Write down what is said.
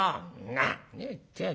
「何を言ってやんだ